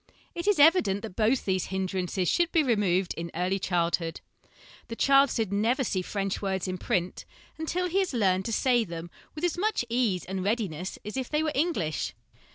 It is evident that both these hindrances should be removed in early childhood. The child should never see French words in print until he has learned to say them with as much ease and readiness as if they were English.